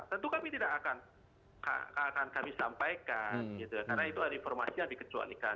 tentu kami tidak akan kami sampaikan karena itu ada informasi yang dikecualikan